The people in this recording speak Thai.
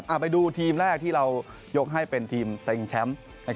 เอาไปดูทีมแรกที่เรายกให้เป็นทีมเต็งแชมป์